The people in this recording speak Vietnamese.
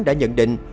đã nhận định